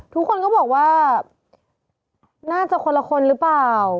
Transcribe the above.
ทุกคนก็บอกว่าน่าจะคนละคนหรือเปล่า